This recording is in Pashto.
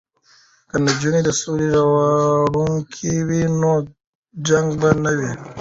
که نجونې د سولې راوړونکې وي نو جنګ به نه وي.